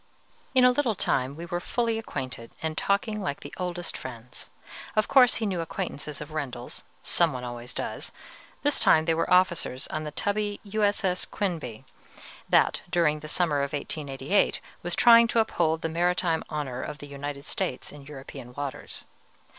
In a little time we were fully acquainted, and talking like the oldest friends. Of course he knew acquaintances of Rendel's, some one always does: this time they were officers on the tubby U. S. S. "Quinebaug," that, during the summer of 1888, was trying to uphold the maritime honor of the United States in European waters.